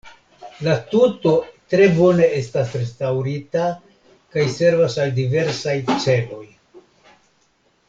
La tuto tre bone estas restaŭrita kaj servas al diversaj celoj.